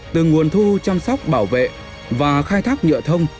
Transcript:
từ nguồn thu chăm sóc bảo vệ và khai thác nhựa thông